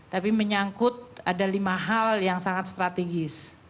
tapi menyangkut ada lima hal yang sangat strategis